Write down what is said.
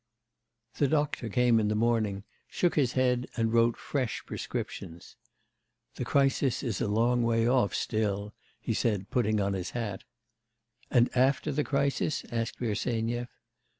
The doctor came in the morning, shook his head and wrote fresh prescriptions. 'The crisis is a long way off still,' he said, putting on his hat. 'And after the crisis?' asked Bersenyev.